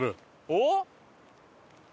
おっ？